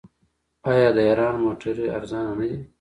آیا د ایران موټرې ارزانه نه دي؟